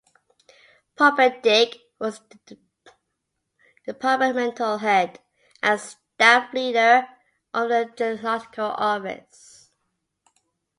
Poppendick was departmental head and staff leader of the Genealogical Office.